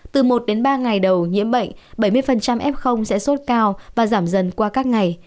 từ một đến ba ngày đầu nhiễm bệnh bảy mươi f sẽ sốt cao và giảm dần qua các ngày